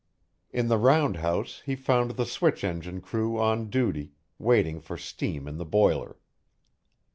In the round house he found the switch engine crew on duty, waiting for steam in the boiler.